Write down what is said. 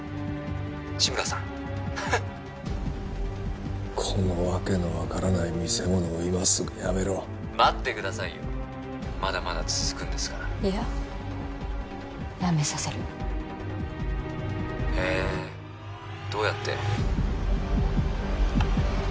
志村さんフフッこの訳の分からない見せ物を今すぐやめろ待ってくださいよまだまだ続くんですからいややめさせるへえどうやって？